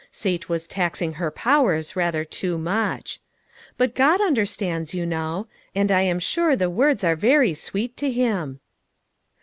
Sate was taxing her powers rather too much. " But God understands, you know ; and I am sure the words are very sweet to him."